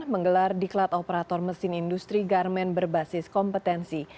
menggelar diklat operator mesin industri garmen berbasis kompetensi